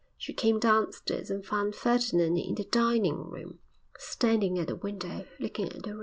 She came downstairs and found Ferdinand in the dining room, standing at the window looking at the rain.